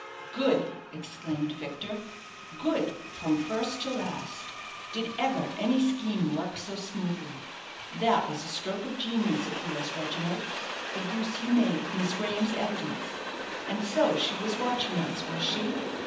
"Good!" exclaimed Victor; "good from first to last! Did ever any scheme work so smoothly? That was a stroke of genius of yours, Reginald, the use you made of Miss Graham's evidence. And so she was watching us, was she?